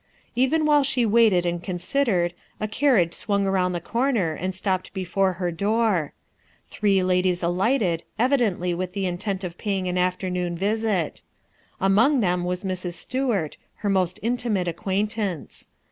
Even while she waited and considered carriage swung around the corner and stopped before her door. Three ladies alighted «■• dently with the intent of paying an afternoon visit. Among them was Mrs. Stuart, her most intimate acquaintance.